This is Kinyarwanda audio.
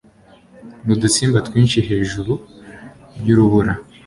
n'udusimba twinshi hejuru y'urubura